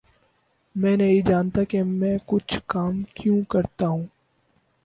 میں نہیں جانتا کہ میں کچھ کام کیوں کرتا ہوں